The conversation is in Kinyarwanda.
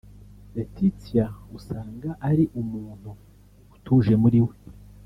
Laetitia usanga ari umuntu utuje muri we